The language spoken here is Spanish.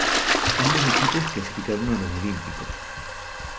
Ambos equipos clasificaron a los olímpicos.